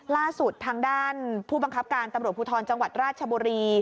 ล่าสุดทางด้านผู้บังคับการตำรวจภูทรจังหวัดราชบุรี